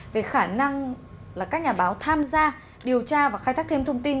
về khả năng là các nhà báo tham gia điều tra và khai thác thêm thông tin